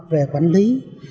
về quản lý